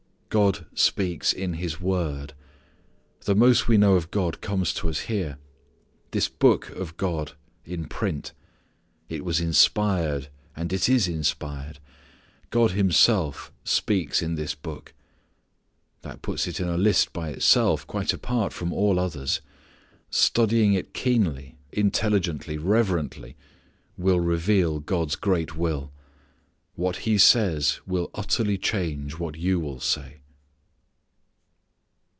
God speaks in His Word. The most we know of God comes to us here. This Book is God in print. It was inspired, and it is inspired. God Himself speaks in this Book. That puts it in a list by itself, quite apart from all others. Studying it keenly, intelligently, reverently will reveal God's great will. What He says will utterly change what you will say.